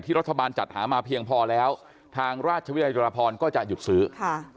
รัฐบาลจัดหามาเพียงพอแล้วทางราชวิทยาลพรก็จะหยุดซื้อค่ะ